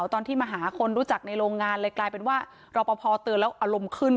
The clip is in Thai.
ตอนที่มาหาคนรู้จักในโรงงานเลยกลายเป็นว่ารอปภเตือนแล้วอารมณ์ขึ้น